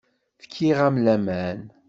Fkiɣ-am laman.